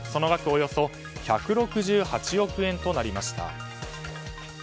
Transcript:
およそ１６８億円となりました。